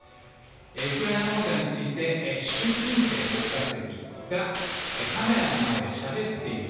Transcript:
ウクライナ問題について習近平国家主席がカメラの前でしゃべっている。